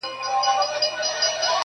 o سل عقله په سلو ټکرو زده کېږي٫